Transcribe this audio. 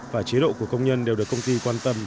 và chế độ của công nhân đều được công ty quan tâm